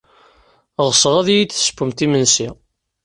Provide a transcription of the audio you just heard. Ɣseɣ ad iyi-d-tessewwemt imensi.